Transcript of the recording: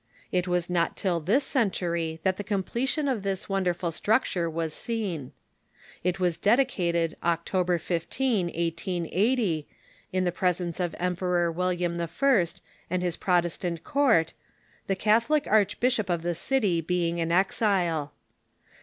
It was not till this century that the completion of this won derful structure was seen. It was dedicated October 15, 1880, in the presence of the Emperor William I. and his Protestant court, the Catholic archbishop of the city being in exile.